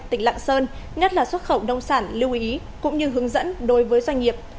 tỉnh lạng sơn nhất là xuất khẩu nông sản lưu ý cũng như hướng dẫn đối với doanh nghiệp